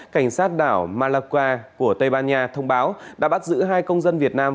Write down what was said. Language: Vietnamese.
cảnh sát đảo malaqua của tây ban nha thông báo đã bắt giữ hai công dân việt nam